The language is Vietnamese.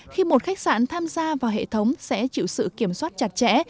khi một khách sạn tham gia vào hệ thống sẽ chịu sự kiểm soát chặt chẽ